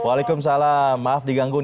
waalaikumsalam maaf diganggu